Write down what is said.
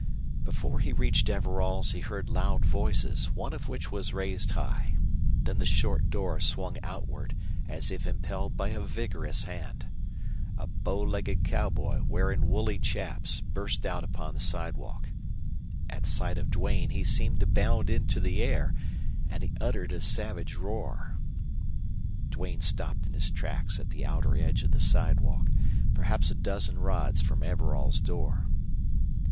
Before he reached Everall's he heard loud voices, one of which was raised high. Then the short door swung outward as if impelled by a vigorous hand. A bow legged cowboy wearing wooley chaps burst out upon the sidewalk. At sight of Duane he seemed to bound into the air, and he uttered a savage roar. Duane stopped in his tracks at the outer edge of the sidewalk, perhaps a dozen rods from Everall's door.